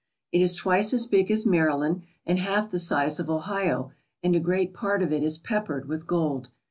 It is twice as big as Maryland and half the size of Ohio, and a great part of it is peppered with gold.